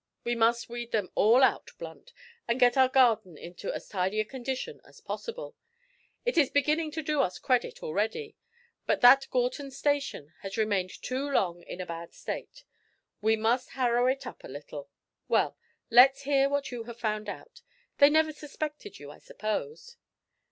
We must weed them all out, Blunt, and get our garden into as tidy a condition as possible; it is beginning to do us credit already, but that Gorton Station has remained too long in a bad state; we must harrow it up a little. Well, let's hear what you have found out. They never suspected you, I suppose?"